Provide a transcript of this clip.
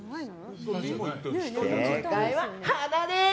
正解は鼻です！